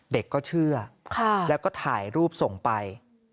เด็กก็เชื่อแล้วก็ถ่ายรูปส่งไป